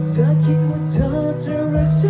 ฉันที่มีกลุ่มพิมพ์ไว้